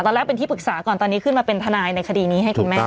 แรกเป็นที่ปรึกษาก่อนตอนนี้ขึ้นมาเป็นทนายในคดีนี้ให้คุณแม่